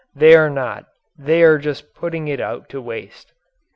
They are not; they are putting it out to waste.